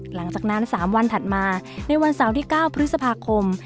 หลังจากนั้น๓วันถัดมาในวันเสาร์ที่๙พฤษภาคม